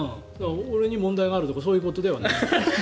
俺に問題があるとかそういうことではない。